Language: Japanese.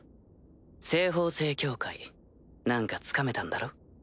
西方聖教会何かつかめたんだろ？